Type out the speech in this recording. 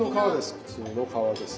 普通の皮です。